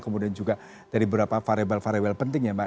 kemudian juga dari beberapa variable variable penting ya mbak